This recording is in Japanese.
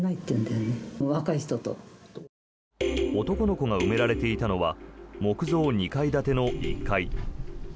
男の子が埋められていたのは木造２階建ての１階。